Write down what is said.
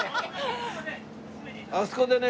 あそこでね